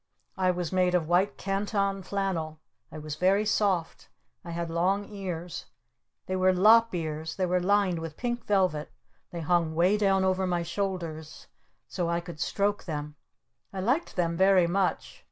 I was made of white canton flannel. I was very soft. I had long ears. They were lop ears. They were lined with pink velvet. They hung way down over my shoulders so I could stroke them. I liked them very much.